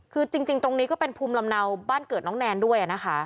คือจริงตรงนี้ก็เป็นภูมิลำเนาบ้านเกิดน้องแนนด้วยนะคะ